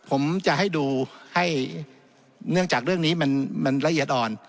ผมจะให้ดูให้เนื่องจากเรื่องนี้มันละเอียดอ่อน